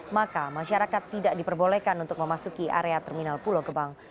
maka masyarakat tidak diperbolehkan untuk memasuki area terminal pulau gebang